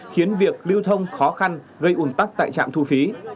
khiến việc lưu thông khó khăn gây ủn tắc tại trạm thu phí